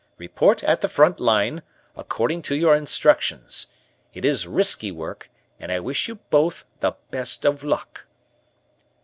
Report at the front line according to your instructions. It is risky work and I wish you both the best of luck."